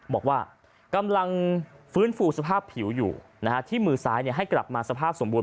บอกว่ากำลังฟื้นฟูสภาพผิวอยู่ที่มือซ้ายให้กลับมาสภาพสมบูรณ